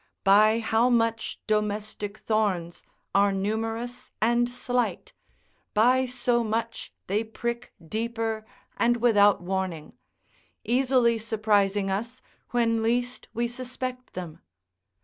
By how much domestic thorns are numerous and slight, by so much they prick deeper and without warning, easily surprising us when least we suspect them.